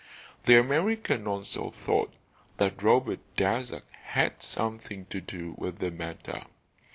The American also thought that Robert Darzac had something to do with the matter.